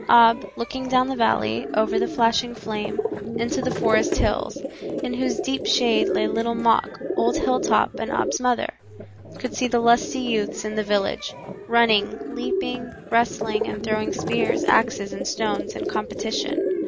Ab, looking down the valley, over the flashing flame, into the forest hills, in whose deep shade lay Little Mok, old Hilltop and Ab's mother, could see the lusty youths in the village, running, leaping, wrestling and throwing spears, axes and stones in competition.